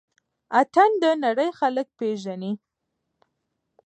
اتڼ د نړۍ خلک پيژني